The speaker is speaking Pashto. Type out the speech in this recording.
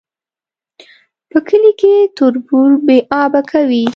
په کلي کي تربور بې آبه کوي